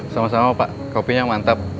sama sama pak kopinya mantap